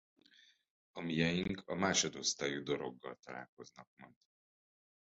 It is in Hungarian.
A mieink a másodosztályú Doroggal találkoznak majd.